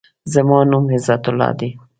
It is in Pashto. زما نوم عزت الله دی.